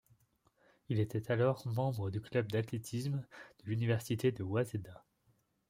Il était alors membre du club d'athlétisme de l'université Waseda.